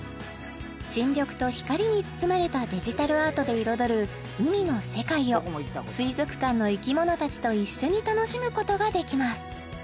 新緑と光に包まれたデジタルアートで彩る海の世界を水族館の生き物たちと一緒に楽しむことができます